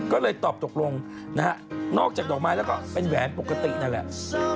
ก็เลยตอบตกลงนะฮะนอกจากดอกไม้แล้วก็เป็นแหวนปกตินั่นแหละ